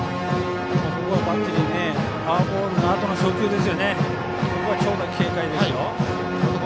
ここはバッテリーフォアボールのあとの初球はここは長打警戒ですよ。